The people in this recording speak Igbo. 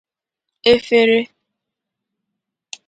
efere